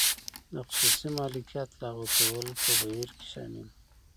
د خصوصي مالکیت لغوه کول په بهیر کې شامل و.